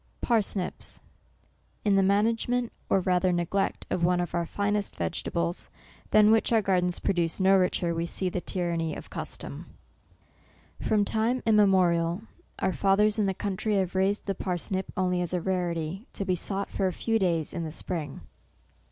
PARSNIPS. "In the management, or rather neglect of One of our finest vegetables, than which our gardens produce no richer, we see the tyran ny of custom. " From time immemorial, our fathers in the country have raised the parsnip only as a rarity, to be sought for a few days in the spring.